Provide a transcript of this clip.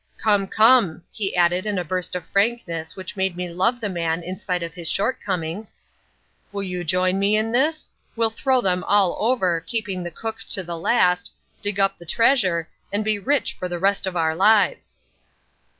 Come, come," he added in a burst of frankness which made me love the man in spite of his shortcomings, "will you join me in this? We'll throw them all over, keeping the cook to the last, dig up the treasure, and be rich for the rest of our lives."